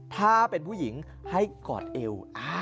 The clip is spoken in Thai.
ถ้าเป็นผู้หญิงให้กอดเอว